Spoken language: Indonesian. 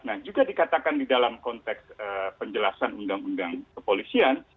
nah juga dikatakan di dalam konteks penjelasan undang undang kepolisian